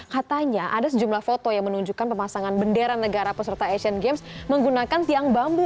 katanya ada sejumlah foto yang menunjukkan pemasangan bendera negara peserta asian games menggunakan tiang bambu